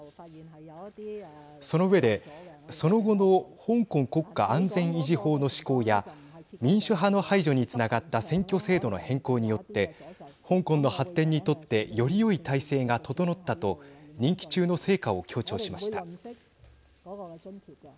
その上で、その後の香港国家安全維持法の施行や民主派の排除につながった選挙制度の変更によって香港の発展にとってよりよい体制が整ったと任期中の成果を強調しました。